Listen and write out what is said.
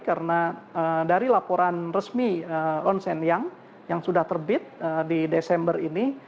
karena dari laporan resmi onsen yang yang sudah terbit di desember ini